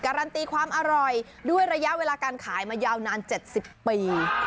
การันตีความอร่อยด้วยระยะเวลาการขายมายาวนาน๗๐ปี